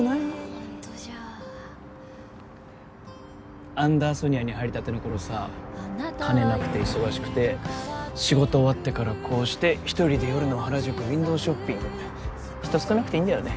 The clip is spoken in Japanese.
ホントじゃアンダーソニアに入りたての頃さ金なくて忙しくて仕事終わってからこうして１人で夜の原宿ウインドーショッピング人少なくていいんだよね